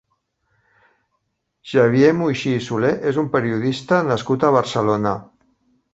Xavier Muixí i Solé és un periodista nascut a Barcelona.